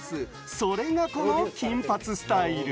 それがこの金髪スタイル。